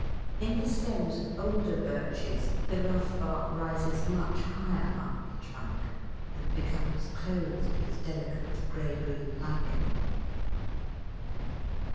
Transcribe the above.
In the stems of older birches the rough bark rises much higher up the trunk and becomes clothed with delicate grey green lichen.